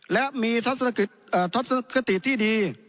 และมีทัศนคติที่ดี